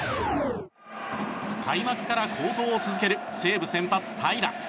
開幕から好投を続ける西武先発、平良。